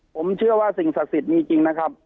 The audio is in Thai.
ผมเชื่อว่าสิ่งศักดิ์สิทธิ์มีจริงนะครับ